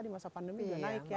di masa pandemi juga naik ya